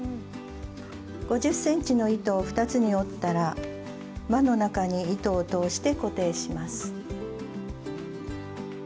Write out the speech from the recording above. ５０ｃｍの糸を２つに折ったら輪の中に糸を通して固定します。